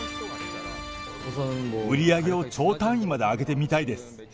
売り上げを兆単位まで上げてみたいです。